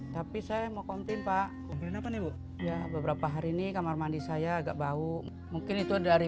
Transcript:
tapi saya mau kontin pak beberapa hari ini kamar mandi saya agak bau mungkin itu dari